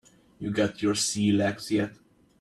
You got your sea legs yet?